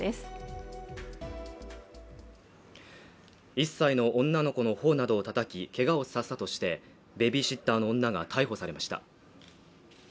１歳の女の子の頬などをたたき、けがをさせたとして、ベビーシッターの女が逮捕されました。